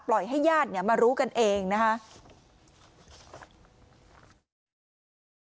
ให้ญาติเนี่ยมารู้กันเองนะคะ